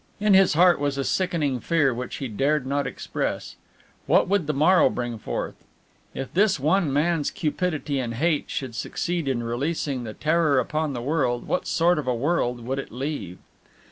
In his heart was a sickening fear which he dared not express. What would the morrow bring forth? If this one man's cupidity and hate should succeed in releasing the terror upon the world, what sort of a world would it leave?